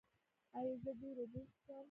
ایا زه ډیرې اوبه وڅښم؟